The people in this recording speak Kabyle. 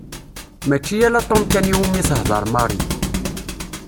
Mačči ala Tom kan iwimi tehder Mary.